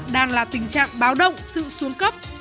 đang là tình trạng báo động sự xuống cấp